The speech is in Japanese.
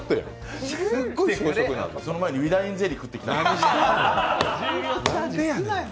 その前にウイダインゼリー食べてきた。